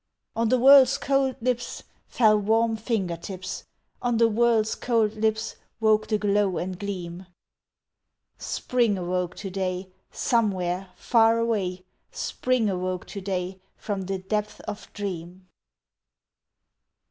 On the world's cold lips Fell warm finger tips; On the world's cold lips Woke the glow and gleam! Spring awoke to day! Somewhere far away Spring awoke to day From the depth of dream!